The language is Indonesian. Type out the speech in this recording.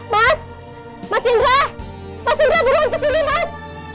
mas mas indra mas indra burung ke sini mas